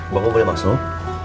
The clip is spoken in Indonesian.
bapak boleh masuk